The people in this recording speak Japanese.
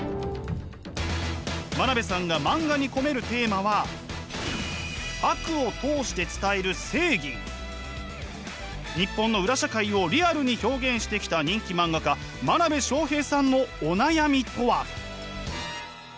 真鍋さんが漫画に込めるテーマは日本の裏社会をリアルに表現してきた人気漫画家真鍋昌平さんのお悩みとは？